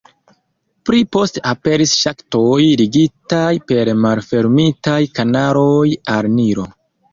Pli poste aperis ŝaktoj, ligitaj per malfermitaj kanaloj al Nilo.